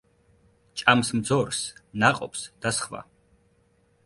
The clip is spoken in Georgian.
ჭამს მძორს, ნაყოფს და სხვა.